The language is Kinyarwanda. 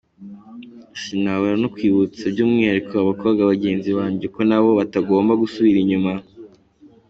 Sinabura no kwibutsa by’umwihariko abakobwa bagenzi banjye ko nabo batagomba gusubira inyuma.